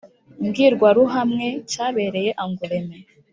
mbwirwaruhamwe cyabereye angoulême,